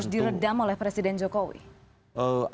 harus diredam oleh presiden jokowi